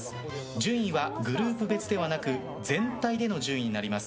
順位はグループ別ではなく全体での順位になります。